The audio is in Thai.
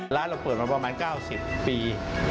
เราเปิดมาประมาณ๙๐ปี